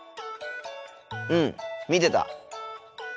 うん見てた。